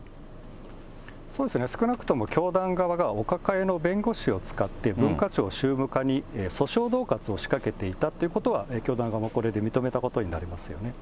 そうですね、少なくとも教団側がお抱えの弁護士を使って、文化庁宗務課に訴訟どう喝を仕掛けていたということは、教団側もこれで認めたことになりますよね。